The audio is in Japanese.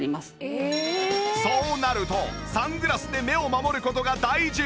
そうなるとサングラスで目を守る事が大事